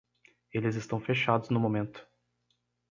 Eles estão fechados no momento.